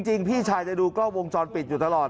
พี่ชายจะดูกล้องวงจรปิดอยู่ตลอด